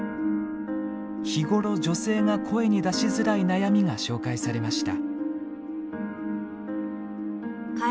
日頃女性が声に出しづらい悩みが紹介されました。